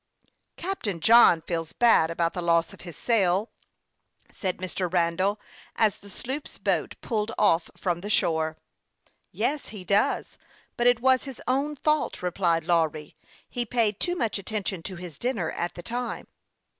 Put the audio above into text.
Captain John feels bad about the loss of his sail," said Mr. Randall, as the sloop's boat pulled off from the shore. " Yes, he does ; but it was his own fault," re plied Lawry. " He was paying too much atten tion to his dinner at the time."